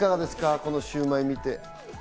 このシウマイを見て。